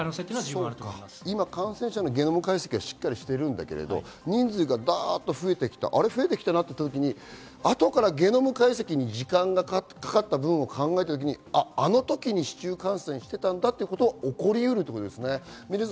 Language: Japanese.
今、感染者のゲノム解析をしているけれど、増えてきたなと言った時に後からゲノム解析に時間がかかった分を考えたときに、あの時に市中感染してたんだということは起こりうるということですね。